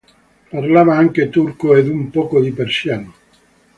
Parlava anche turco ed un poco di persiano.